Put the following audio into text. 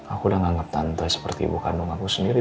aku udah nganggep tante seperti ibu kandung aku sendiri